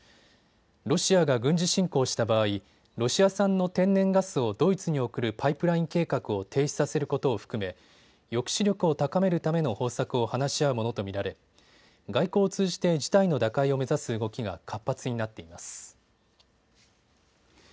ロシアが軍事侵攻した場合、ロシア産の天然ガスをドイツに送るパイプライン計画を停止させることを含め抑止力を高めるための方策を話し合うものと見られ外交を通じて事態の打開を目指す動きが活発になっています。